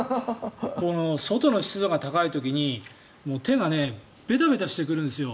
外の湿度が高い時に手がベタベタしてくるんですよ。